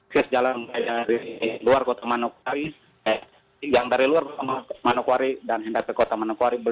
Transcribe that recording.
terus jalan dari luar kota manokwari yang dari luar manokwari dan hendak ke kota manokwari